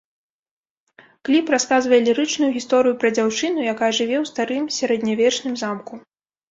Кліп расказвае лірычную гісторыю пра дзяўчыну, якая жыве ў старым сярэднявечным замку.